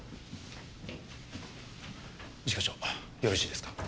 一課長よろしいですか？